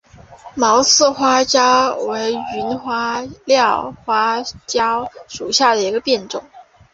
毛刺花椒为芸香科花椒属下的一个变种。